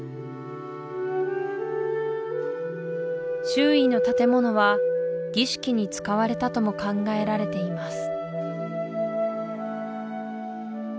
周囲の建物は儀式に使われたとも考えられています